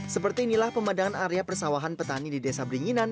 seperti inilah pemandangan area persawahan petani di desa beringinan